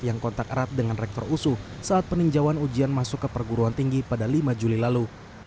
yang kontak erat dengan rektor usu saat peninjauan ujian masuk ke perguruan tinggi pada lima juli lalu